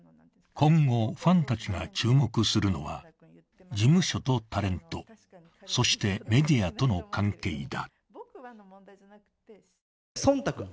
今後ファンたちが注目するのは事務所とタレント、そしてメディアとの関係だ。